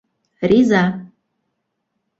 - Риза.